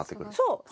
そう。